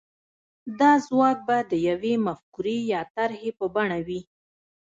دا ځواک به د يوې مفکورې يا طرحې په بڼه وي.